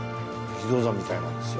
力道山みたいなんですよ。